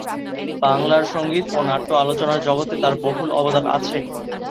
বাংলার সঙ্গীত ও নাট্য আলোচনার জগতে তার বহুল অবদান আছে।